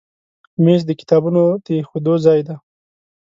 مېز د کتابونو د ایښودو ځای دی.